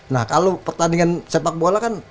nah kalau pertandingan sepak bola kan